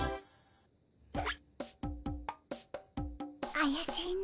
あやしいね。